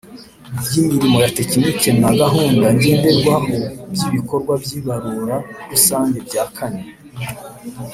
Y imirimo ya tekiniki na gahunda ngenderwaho by ibikorwa by ibarura rusange rya kane